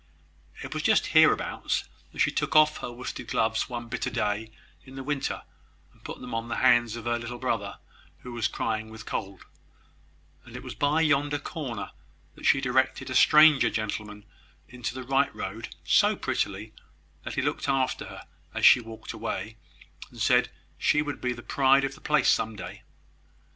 It was just hereabouts that she took off her worsted gloves, one bitter day in the winter, and put them on the hands of her little brother who was crying with cold; and it was by yonder corner that she directed a stranger gentleman into the right road so prettily that he looked after her as she walked away, and said she would be the pride of the place some day.